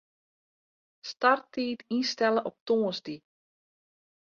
Starttiid ynstelle op tongersdei.